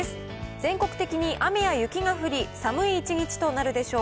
全国的に雨や雪が降り、寒い一日となるでしょう。